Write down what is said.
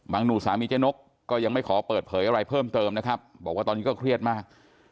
หนูสามีเจ๊นกก็ยังไม่ขอเปิดเผยอะไรเพิ่มเติมนะครับบอกว่าตอนนี้ก็เครียดมาก